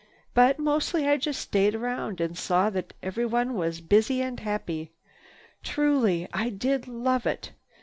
But mostly I just stayed around and saw that everyone was busy and happy. Truly, I did love it.